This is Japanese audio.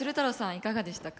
いかがでしたか？